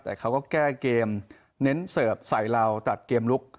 แต่เขาก็แก้เกมเน้นเสิร์ฟใส่เราตัดเกมลุก